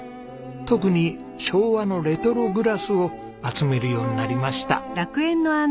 特に昭和のレトログラスを集めるようになりました。